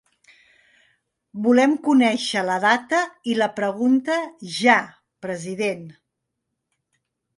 Volem conèixer la data i la pregunta ja, president.